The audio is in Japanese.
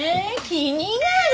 気になる！